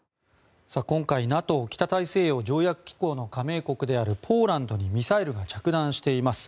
今回ＮＡＴＯ・北大西洋条約機構の加盟国であるポーランドにミサイルが着弾しています。